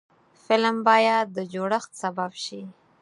فلم باید د جوړښت سبب شي